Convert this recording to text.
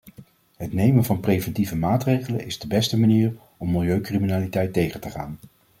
Het nemen van preventieve maatregelen is de beste manier om milieucriminaliteit tegen te gaan.